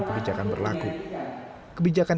kebijakan berlaku kebijakan